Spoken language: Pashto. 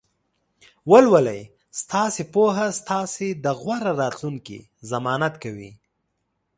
ولولئ! ستاسې پوهه ستاسې د غوره راتلونکي ضمانت کوي.